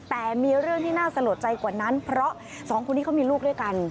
แต่มีเรื่องที่น่าสลดใจกว่านั้นเพราะสองคนนี้เขามีลูกด้วยกัน